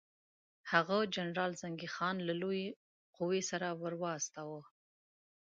هغه جنرال زنګي خان له لویې قوې سره ورواستاوه.